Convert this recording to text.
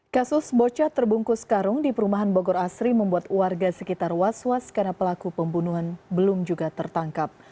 kasus bocah terbungkus karung di perumahan bogor asri membuat warga sekitar was was karena pelaku pembunuhan belum juga tertangkap